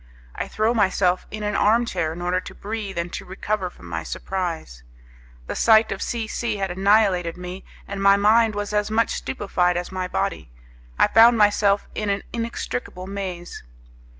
I throw myself in an arm chair in order to breathe and to recover from my surprise. The sight of C C had annihilated me, and my mind was as much stupefied as my body. I found myself in an inextricable maze.